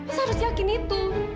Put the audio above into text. mas harus yakin itu